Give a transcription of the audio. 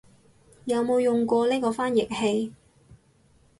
有冇用過呢個翻譯器